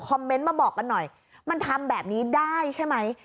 เมนต์มาบอกกันหน่อยมันทำแบบนี้ได้ใช่ไหม